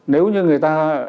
nếu như người ta